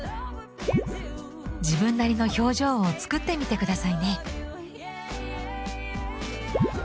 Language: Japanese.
自分なりの表情を作ってみて下さいね。